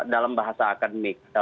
dalam bahasa akademik